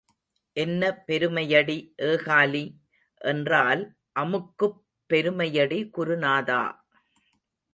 என்ன பெருமையடி ஏகாலி என்றால் அமுக்குப் பெருமையடி குருநாதா!